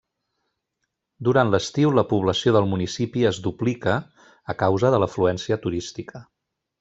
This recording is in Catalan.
Durant l'estiu la població del municipi es duplica, a causa de l'afluència turística.